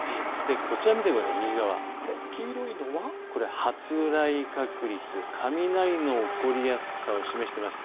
こちらを見てください右側、黄色いのは発雷確率雷の起こりやすさを示しています。